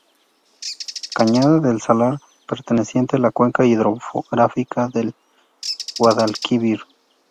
Cañada del Salar, perteneciente a la Cuenca Hidrográfica del Guadalquivir.